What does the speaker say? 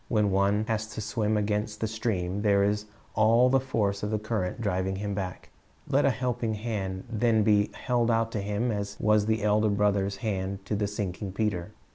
When one has to swim against the stream, there is all the force of the current driving him back. Let a helping hand then be held out to him as was the Elder Brother's hand to the sinking Peter.